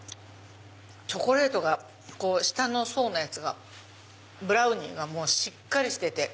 チョコレートが下の層のブラウニーがしっかりしてて。